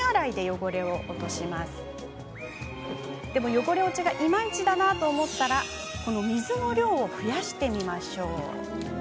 汚れ落ちがいまいちだなと思ったら水の量を増やしてみましょう。